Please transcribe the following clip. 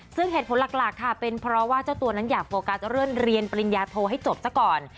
ซึ่งเหตุผลหลักค่ะเป็นเพราะว่าเจ้าตัวนั้นอยากโฟกัสจะเลื่อนเรียนปริญญาโทให้จบซะก่อน